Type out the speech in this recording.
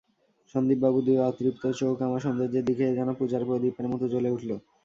সন্দীপবাবুর দুই অতৃপ্ত চোখ আমার সৌন্দর্যের দিকে যেন পূজার প্রদীপের মতো জ্বলে উঠল।